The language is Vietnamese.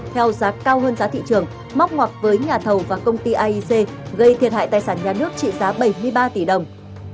theo giá cao hơn giá thị trường móc ngoặc với nhà thầu và công ty aic gây thiệt hại tài sản nhà nước trị giá bảy mươi ba tỷ đồng